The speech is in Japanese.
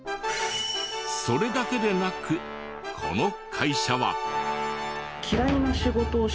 それだけでなくこの会社は。